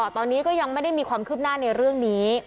ตอนนี้ก็ยังไม่ได้มีความคืบหน้าในเรื่องนี้